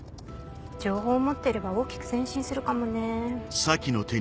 情報を持ってれば大きく前進するかもね。